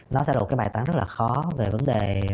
nó sẽ đột cái bài tán rất là khó về vấn đề